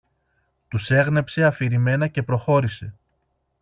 Τους έγνεψε αφηρημένα και προχώρησε